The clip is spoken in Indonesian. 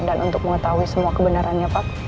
dan untuk mengetahui semua kebenarannya pak